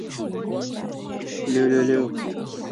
高端型号都在美国制造。